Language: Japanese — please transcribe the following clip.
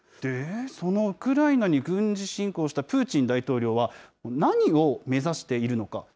そのウクライナに軍事侵攻したプーチン大統領は、何を目指しているのか。